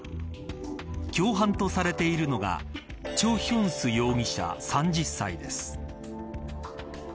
共犯とされているのがチョ・ヒョンス容疑者３０歳です。